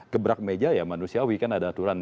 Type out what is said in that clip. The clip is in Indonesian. gebrak meja ya manusiawi kan ada aturan